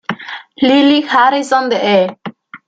Lily Harrison de E!